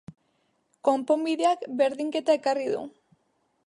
Konponbideak berdinketa ekarri du.